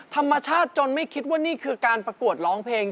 ธรรมชาติจนไม่คิดว่านี่คือการประกวดร้องเพลง